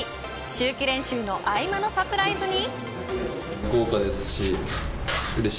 秋季練習の合間のサプライズに。